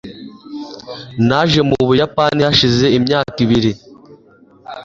naje mu buyapani hashize imyaka ibiri